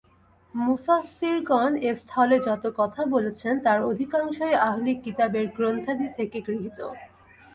মুফাসসিরগণ এ স্থলে যত কথা বলেছেন, তার অধিকাংশই আহলি কিতাবদের গ্রন্থাদি থেকে গৃহীত।